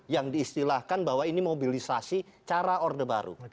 yang diistilahkan bahwa ini mobilisasi cara orde baru